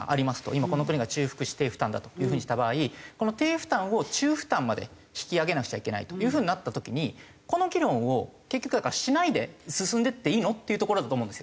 今この国が中福祉低負担だという風にした場合この低負担を中負担まで引き上げなくちゃいけないという風になった時にこの議論を結局だからしないで進んでいっていいの？っていうところだと思うんですよ。